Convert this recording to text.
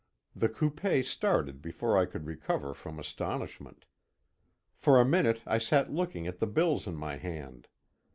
The coupé started before I could recover from astonishment. For a minute I sat looking at the bills in my hand.